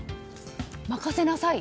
任せなさい？